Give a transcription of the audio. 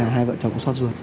hai vợ chồng cũng xót ruột